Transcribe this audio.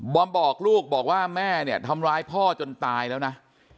อมบอกลูกบอกว่าแม่เนี่ยทำร้ายพ่อจนตายแล้วนะ